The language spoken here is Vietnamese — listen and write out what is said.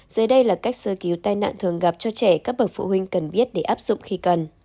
dưới đây là cách sơ cứu tai nạn thường gặp cho trẻ các bậc phụ huynh cần biết để áp dụng khi cần